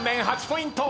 ８ポイント。